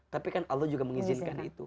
tapi kan allah juga mengizinkan itu